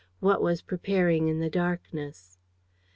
What was preparing in the darkness?